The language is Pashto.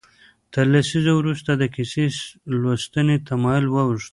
تر لسیزو وروسته د کیسه لوستنې تمایل واوښت.